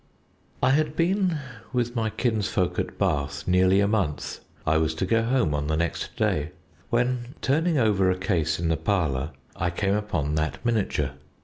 "I had been with my kinsfolk at Bath nearly a month. I was to go home on the next day, when, turning over a case in the parlour, I came upon that miniature.